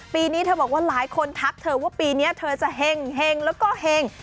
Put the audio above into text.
ปีนี้เธอบอกว่าหลายคนทักเธอว่าปีนี้เธอจะเห็งแล้วก็เห็ง